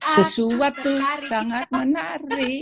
sesuatu sangat menarik